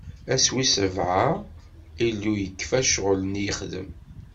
Ass wis sebɛa, Illu yekfa ccɣwel-nni yexdem.